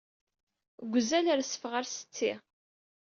Deg uzal, rezzfeɣ ɣer setti.